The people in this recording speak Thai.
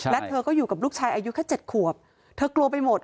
และเธอก็อยู่กับลูกชายอายุแค่๗ขวบเธอกลัวไปหมด